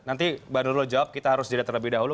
nanti mbak nurul jawab kita harus jeda terlebih dahulu